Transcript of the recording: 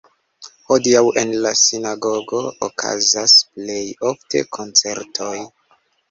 Hodiaŭ en la sinagogo okazas plej ofte koncertoj.